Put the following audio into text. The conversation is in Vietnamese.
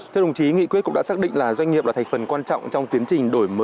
thưa đồng chí nghị quyết cũng đã xác định là doanh nghiệp là thành phần quan trọng trong tiến trình đổi mới